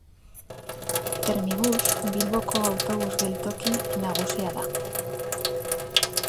Termibus Bilboko autobus geltoki nagusia da.